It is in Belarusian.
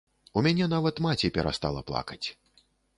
У мяне нават маці перастала плакаць.